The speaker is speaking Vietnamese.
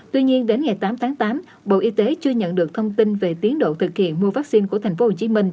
tuy nhiên đến ngày tám tháng tám bộ y tế chưa nhận được thông tin về tiến độ thực hiện mua vaccine của tp hcm